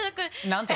何て？